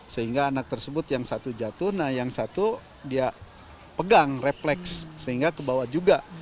sehingga anak tersebut yang satu jatuh nah yang satu dia pegang refleks sehingga kebawa juga